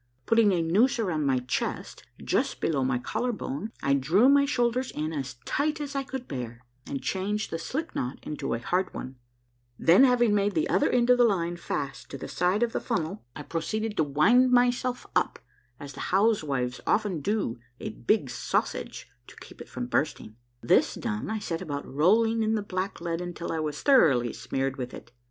Putting a noose around my chest, just below my collar bone, I drew my shoulders in as 38 A MAKVELLOUS UNDERGROUND JOURNEY tight as 1 could bear, and changed the slip knot into a hard one ; then having made the other end of the line fast to the side of the funnel, I proceeded to wind myself up as the housewives often do a big sausage to keep it from bursting. This done, I set about rolling in the black lead until I was thoroughly smeared with it.